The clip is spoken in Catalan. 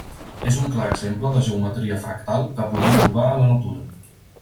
És un clar exemple de geometria fractal que podem trobar a la natura.